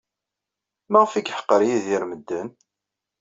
Maɣef ay yeḥqer Yidir medden?